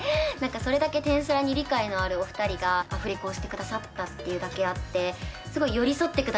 それだけ『転スラ』に理解のあるお２人がアフレコをしてくださったっていうだけあってすごい。